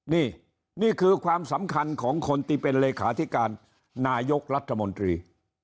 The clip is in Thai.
นี่นี่คือความสำคัญของคนที่เป็นเลขาธิการนายกรัฐมนตรี